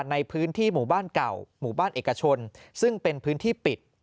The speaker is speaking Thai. ในพื้นที่หมู่บ้านเก่าหมู่บ้านเอกชนซึ่งเป็นพื้นที่ปิด